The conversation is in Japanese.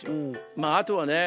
まああとはね